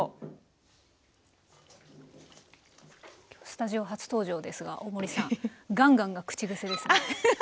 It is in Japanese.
スタジオ初登場ですが大森さん「ガンガン」が口癖ですね。